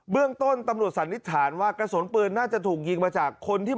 เรื่องต้นตำรวจสันนิษฐานว่ากระสุนปืนน่าจะถูกยิงมาจากคนที่